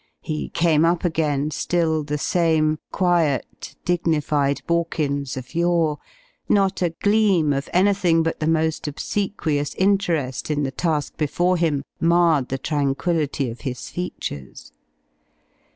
He came up again still the same, quiet, dignified Borkins of yore. Not a gleam of anything but the most obsequious interest in the task before him marred the tranquillity of his features.